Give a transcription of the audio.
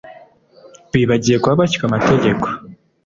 bibagirwa batyo amategeko